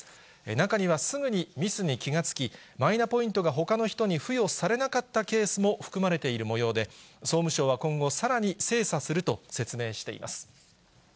中にはすぐにミスに気が付き、マイナポイントがほかの人に付与されなかったケースも含まれているもようで、総務省は今後、さらに精査すると説明しています。